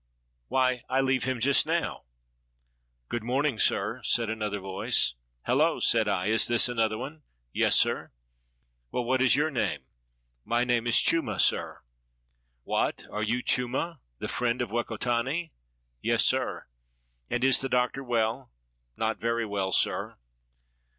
Why, I leave him just now." "Good morning, sir," said another voice. "Hallo," said I, "is this another one?" "Yes, sir." "Well, what is your name?" "My name is Chumah, sir." "What! are you Chumah, the friend of Wekotani?" "Yes, sir." "And is the Doctor well?" "Not very well, sir."